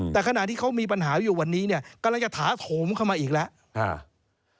แต่ขณะที่เขามีปัญหาอยู่วันนี้เนี่ยกำลังจะถาโถมเข้ามาอีกแล้ว